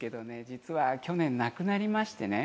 実は去年亡くなりましてね。